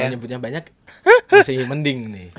nah kalau nyebutnya banyak masih mending nih